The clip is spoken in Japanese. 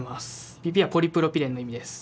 「ＰＰ」はポリプロピレンの意味です。